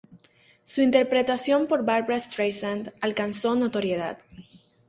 Su interpretación por Barbra Streisand alcanzó notoriedad.